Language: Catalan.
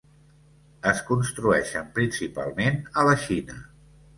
Es construeixen principalment a la Xina.